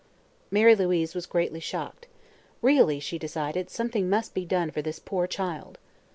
Mary Louise was greatly shocked. Really, she decided, something must be done for this poor child.